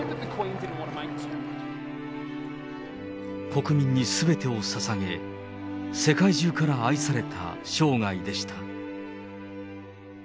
国民にすべてをささげ、世界中から愛された生涯でした。